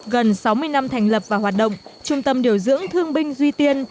gần sáu mươi năm thành lập và hoạt động trung tâm điều dưỡng thương binh duy tiên